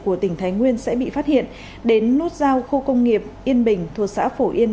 của tỉnh thái nguyên sẽ bị phát hiện đến nút giao khu công nghiệp yên bình thuộc xã phổ yên